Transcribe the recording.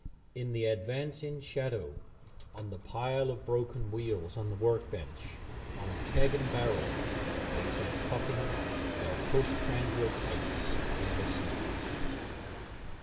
In the advancing shadow, on the pile of broken wheels on the work bench, on keg and barrel, they sat puffing their post prandial pipes and listening.